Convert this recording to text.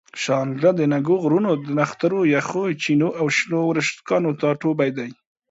شانګله د دنګو غرونو، نخترو، یخو چینو او شنو ورشوګانو ټاټوبے دے